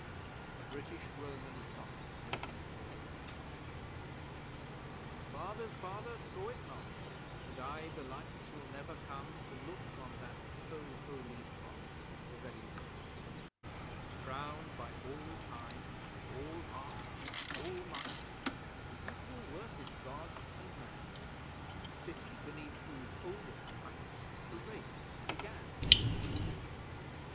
A BRITISH ROMAN SONG (A.D. 406) My father's father saw it not, And I, belike, shall never come, To look on that so holy spot The very Rome Crowned by all Time, all Art, all Might, The equal work of Gods and Man, City beneath whose oldest height The Race began!